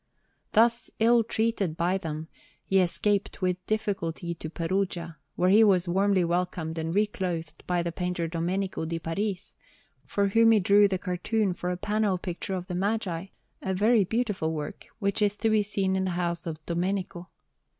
Thus ill treated by them, he escaped with difficulty to Perugia, where he was warmly welcomed and reclothed by the painter Domenico di Paris, for whom he drew the cartoon for a panel picture of the Magi, a very beautiful work, which is to be seen in the house of Domenico.